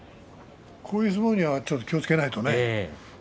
こういう相撲にはちょっと気をつけないとね。